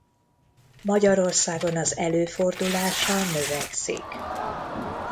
Magyarországon az előfordulása növekszik.